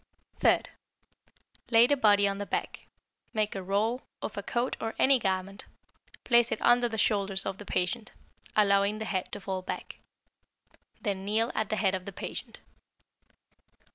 Third Lay the body on the back, make a roll of a coat or any garment, place it under the shoulders of the patient, allowing the head to fall back. Then kneel at the head of the patient.